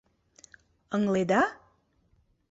Ыҥледа?!"